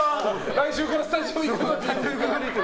来週からスタジオに行くのにって？